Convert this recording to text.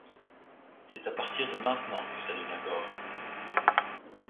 C’est à partir de maintenant que ça devient gore.